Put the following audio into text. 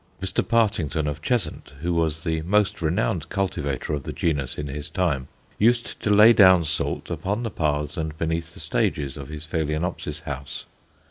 Mr. Partington, of Cheshunt, who was the most renowned cultivator of the genus in his time, used to lay down salt upon the paths and beneath the stages of his Phaloenopsis house.